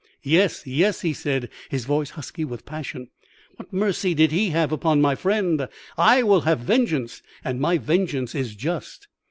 "'Yes, yes!' he said, his voice husky with passion. 'What mercy did he have upon my friend? I will have vengeance, and my vengeance is just.'"